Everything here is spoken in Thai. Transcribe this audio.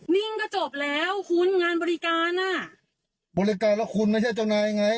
นิ่งก็จบแล้วคุณงานบริการอ่ะบริการแล้วคุณไม่ใช่เจ้านายไง